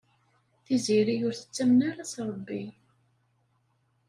Tiziri ur tettamen ara s Ṛebbi.